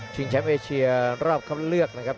แชมป์เอเชียรอบคัดเลือกนะครับ